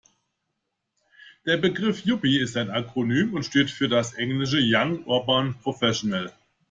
Der Begriff Yuppie ist ein Akronym und steht für das englische young urban professional.